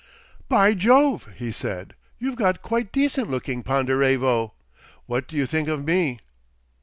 "By Jove!" he said, "you've got quite decent looking, Ponderevo! What do you think of me?"